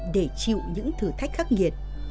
để chịu những thử thách khắc nghiệt